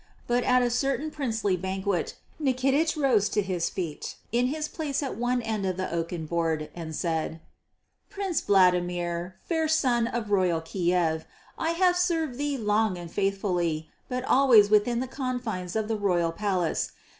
But at a certain princely banquet Nikitich rose to his feet in his place at one end of the oaken board, and said: "Prince Vladimir, Fair Sun of royal Kiev, I have served thee long and faithfully, but always within the confines of the royal palace.